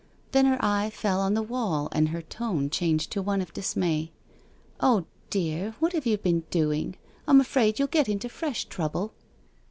Then her eye fell on the wall, and her tone changed to one of dismay. " Oh dear, what have you been doing? I'm afraid you'll get into fresh trouble."